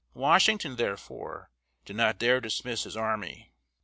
Washington, therefore, did not dare dismiss his army.